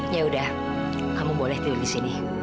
yaudah kamu boleh tidur disini